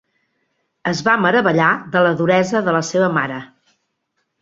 Es va meravellar de la duresa de la seva mare.